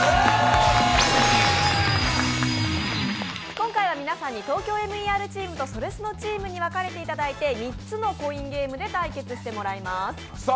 今回は皆さんに「ＴＯＫＹＯＭＥＲ」チームと「それスノ」チームに分かれて３つのコインゲームで対決してもらいます。